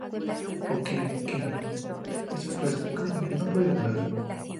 ¿ Oh, qué? ¿ qué? esto es plástico. él no puede volar.